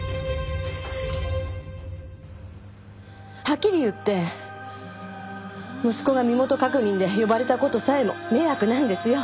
はっきり言って息子が身元確認で呼ばれた事さえも迷惑なんですよ。